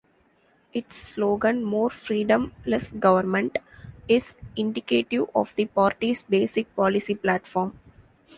Its slogan, "More Freedom, Less Government", is indicative of the party's basic policy platform.